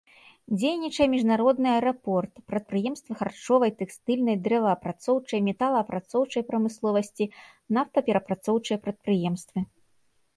Дзейнічае міжнародны аэрапорт, прадпрыемствы харчовай, тэкстыльнай, дрэваапрацоўчай, металаапрацоўчай прамысловасці, нафтаперапрацоўчыя прадпрыемствы.